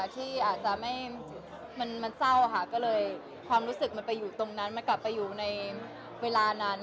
ที่อาจจะมันเศร้าค่ะก็เลยความรู้สึกมันไปอยู่ตรงนั้นมันกลับไปอยู่ในเวลานั้น